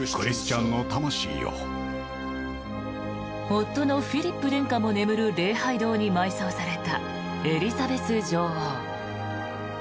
夫のフィリップ殿下も眠る礼拝堂に埋葬されたエリザベス女王。